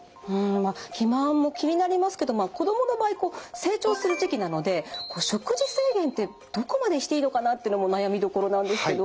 まあ肥満も気になりますけど子供の場合こう成長する時期なので食事制限ってどこまでしていいのかなっていうのも悩みどころなんですけど。